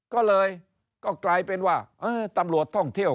ก็เลยก็กลายเป็นว่าตำรวจท่องเที่ยว